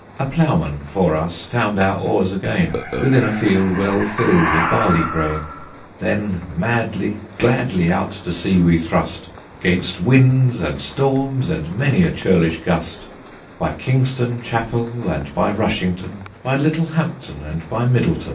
A plowman (for us) found our Oares againe, Within a field well fil'd with Barley Graine. Then madly, gladly, out to sea we thrust, 'Gainst windes and stormes, and many a churlish Gust, By Kingston Chappelle and by Rushington, By Little Hampton and by Middleton.